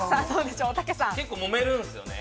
結構もめるんですよね。